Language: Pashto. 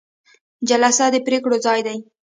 جلسه د پریکړو ځای دی